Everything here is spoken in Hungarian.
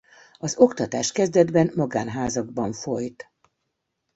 Az oktatás kezdetben magánházakban folyt.